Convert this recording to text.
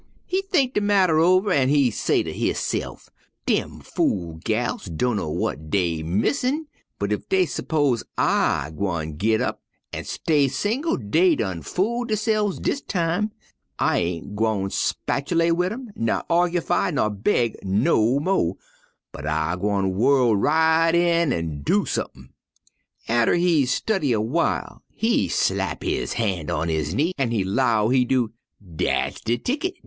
"He think de marter all over an' he say ter hisse'f: 'Dem fool gals dunno w'at dey missin', but ef dey s'pose I gwine gin up an' stay single, dey done fool derse'fs dis time. I ain' gwine squatulate wid 'em ner argyfy ner beg no mo', but I gwine whu'l right in an' do sump'n.' "Atter he study a w'ile he slap one han' on his knee, an' he 'low, he do: 'Dat's de ticket!